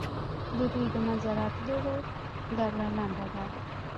د دوی د منځته راتلو دوره لنډه ده.